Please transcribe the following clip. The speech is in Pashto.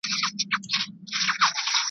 خو هغه د همدغو .